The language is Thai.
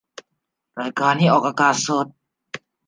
รายการนี้ออกอากาศสด